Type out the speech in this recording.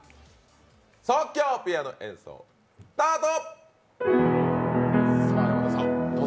即興ピアノ演奏スタ−ト。